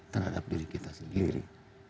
terhadap diri kita sendiri